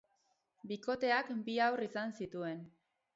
Bikoteak bi haur izan zituen.